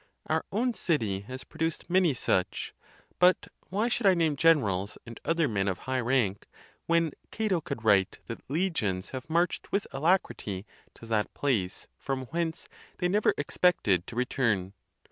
Our own city has produced many such. But why should I name generals, and other men of high rank, when Cato could write that legions have marched with alacrity to that place from whence they never expected to return?